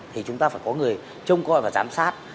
thì chúng ta phải có người trông coi và giám sát